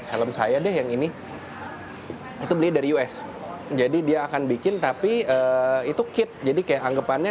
helm saya deh yang ini itu beli dari us jadi dia akan bikin tapi itu kit jadi kayak anggapannya